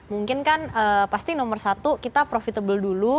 mungkin kan pasti nomor satu kita profitable dulu